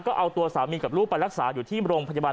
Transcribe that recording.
ก็เอาตัวสามีกับลูกไปรักษาอยู่ที่โรงพยาบาล